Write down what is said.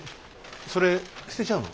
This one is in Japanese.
それ捨てちゃうの？